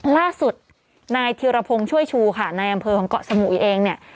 ล่าสุดนายธิรพงศ์ช่วยชูค่ะนายอำเภอของเกาะสมุยเองเนี่ย